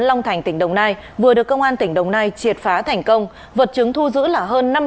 long thành tỉnh đồng nai vừa được công an tỉnh đồng nai triệt phá thành công vật chứng thu giữ là hơn